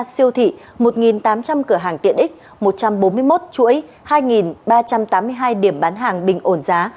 một trăm hai mươi ba siêu thị một tám trăm linh cửa hàng tiện ích một trăm bốn mươi một chuỗi hai ba trăm tám mươi hai điểm bán hàng bình ổn giá